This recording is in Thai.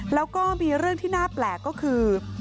แล้วก็มีเรื่องที่น่าแปลกก็คือ